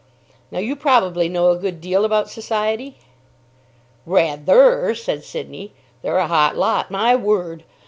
"Now you probably know a good deal about Society?" "Rath_er_" said Sidney. "They're a hot lot. My word!